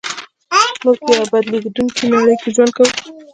موږ په يوه بدلېدونکې نړۍ کې ژوند کوو.